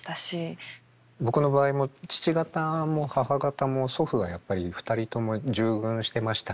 僕の場合も父方も母方も祖父がやっぱり２人とも従軍してましたね。